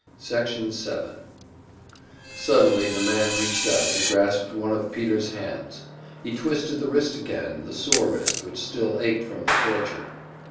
Section 7 Suddenly the man reached out and grasped one of Peter's hands. He twisted the wrist again, the sore wrist which still ached from the torture.